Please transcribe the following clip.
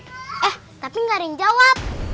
eh tapi gak ada yang jawab